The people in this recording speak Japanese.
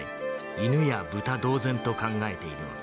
犬や豚同然と考えているのだ。